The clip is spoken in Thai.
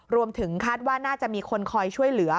รวมถึงคาดว่าน่าจะมีคนคอยช่วยเหลือ